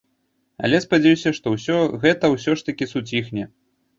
Але спадзяюся, што ўсё гэта ўсё ж такі суціхне.